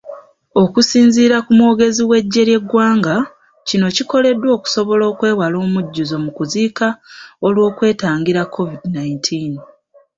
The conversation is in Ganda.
Okusinziira ku mwogezi w'eggye ly'eggwanga, kino kikoleddwa okusobola okwewala omujjuzo mu kuziika olw'okwetangira COVID nineteen.